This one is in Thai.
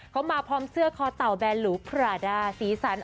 เขามาพร้อมเสื้อคอเต่าแบนหลูคราด้าสีสัน